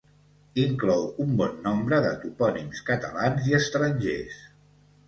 Inclou un bon nombre de topònims catalans i estrangers